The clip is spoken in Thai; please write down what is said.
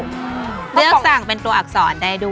อูมเรียกสั่งเป็นตัวอักษรได้ด้วย